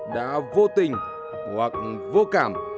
đã vô tình hoặc vô cảm